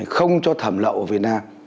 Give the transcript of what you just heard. không cho thẩm lậu ở việt nam